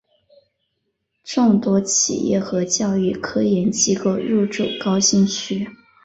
众多企业和教育科研机构入驻高新区。